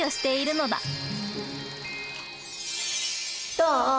どう？